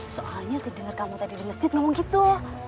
soalnya sih dengar kamu tadi di masjid ngomong gitu